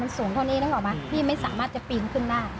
มันสูงครั้วนี้นึกออกมั้ยพี่ไม่สามารถจะปีนขึ้นหน้า